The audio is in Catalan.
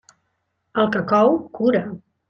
El que cou cura.